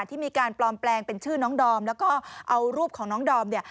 ที่มีการปลอมแปลงเป็นชื่อน้องดอมแล้วก็เอารูปของน้องดอมเนี่ย